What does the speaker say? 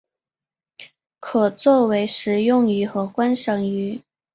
可作为食用鱼和观赏鱼。